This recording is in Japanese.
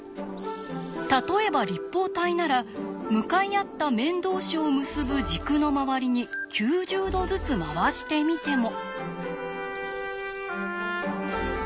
例えば立方体なら向かい合った面同士を結ぶ軸の周りに９０度ずつ回してみても。